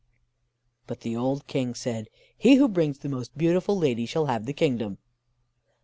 But the old King said: "He who brings the most beautiful lady shall have the kingdom."